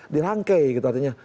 dirangkei gitu artinya